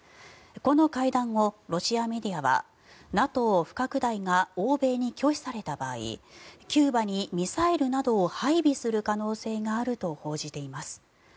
この会談後、ロシアメディアはＮＡＴＯ不拡大が欧米に拒否された場合キューバにミサイルなどを配備する可能性があると報じています。